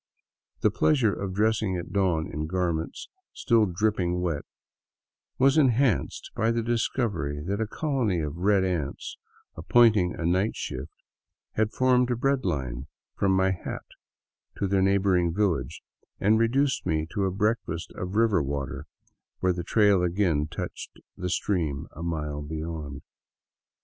The pleasure of dressing at dawn in garments still dripping wet was enhanced by the discovery that a colony of red ants, appointing a night shift, had formed a bread line from my hat to their neighboring village and reduced me to a breakfast of river water where the trail again touched the stream a mile beyond.